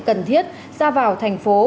cần thiết ra vào thành phố